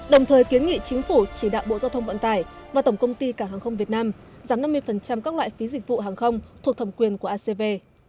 đồng thời kiến nghị chính phủ chỉ đạo bộ giao thông vận tải và tổng công ty cảng hàng không việt nam giảm năm mươi các loại phí dịch vụ hàng không thuộc thẩm quyền của acv